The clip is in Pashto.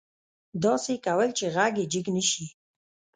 داسې يې کول چې غږ يې جګ نه شي.